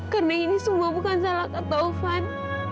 karena ini semua bukan salah kata taufan